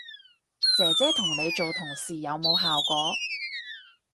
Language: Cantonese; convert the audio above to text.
姐姐同你做同事有冇效果